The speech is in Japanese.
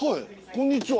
こんにちは。